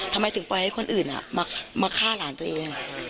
ทำไมถึงปล่อยให้คนอื่นมาฆ่าหลานตัวเอง